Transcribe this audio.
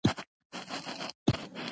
په دامنځ کي ورنیژدې یو سوداګر سو